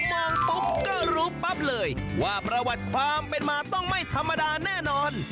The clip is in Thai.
มองปุ๊บก็รู้ปั๊บเลยว่าประวัติความเป็นมาต้องไม่ธรรมดาแน่นอน